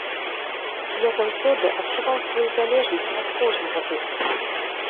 Я заўсёды адчуваў сваю залежнасць ад кожнага з іх.